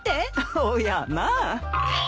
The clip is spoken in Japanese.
おやまあ。